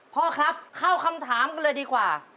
พ่อครับเข้าคำถามกันเลยดีกว่า